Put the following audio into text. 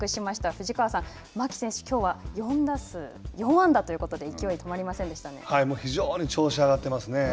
藤川さん、牧選手、きょうは４打数４安打ということで、勢いが止非常に調子が上がっていますね。